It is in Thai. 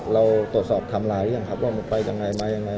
เราตรวจสอบไทม์ไลน์หรือยังครับว่ามันไปยังไงมายังไง